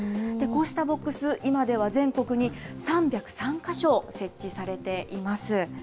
こうしたボックス、今では全国に３０３か所設置されています。